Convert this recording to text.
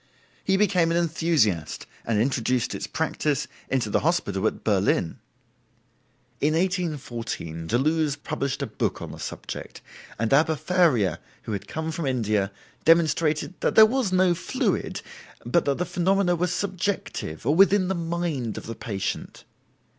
He became an enthusiast, and introduced its practice into the hospital at Berlin. In 1814 Deleuze published a book on the subject, and Abbe Faria, who had come from India, demonstrated that there was no fluid, but that the phenomena were subjective, or within the mind of the patient.